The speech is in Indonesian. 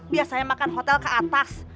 biasanya makan hotel ke atas